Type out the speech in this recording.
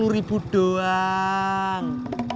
sepuluh ribu doang